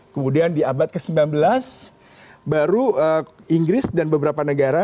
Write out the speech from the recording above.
kemudian di abad ke sembilan belas baru inggris dan beberapa negara